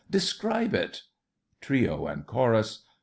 Describe it. TRIO and CHORUS.